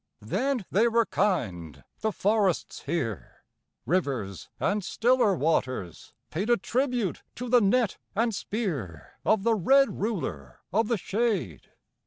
Then they were kind, the forests here, Rivers, and stiller waters, paid A tribute to the net and spear Of the red ruler of the shade.